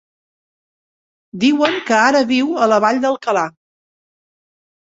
Diuen que ara viu a la Vall d'Alcalà.